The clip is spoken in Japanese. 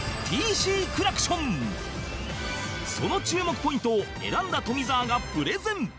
その注目ポイントを選んだ富澤がプレゼン！